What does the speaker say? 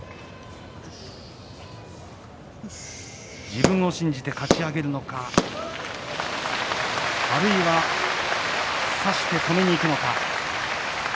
自分を信じてかち上げるのかあるいは差して止めにいくのか。